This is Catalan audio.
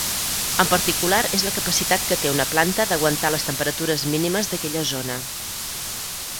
En particular és la capacitat que té una planta d'aguantar les temperatures mínimes d'aquella zona.